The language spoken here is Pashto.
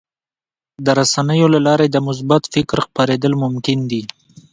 د رسنیو له لارې د مثبت فکر خپرېدل ممکن دي.